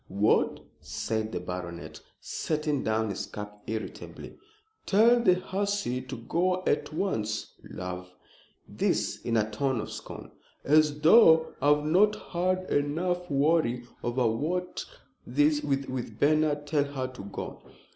what!" said the baronet, setting down his cup irritably. "Tell the hussy to go at once. Love?" This in a tone of scorn. "As though I've not had enough worry over that with Bernard. Tell her to go."